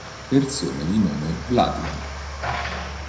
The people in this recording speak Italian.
Persone di nome Vladimir